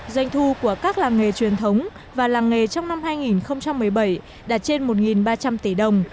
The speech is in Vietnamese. doanh thu của các làng nghề truyền thống và làng nghề trong năm hai nghìn một mươi bảy đạt trên một ba trăm linh tỷ đồng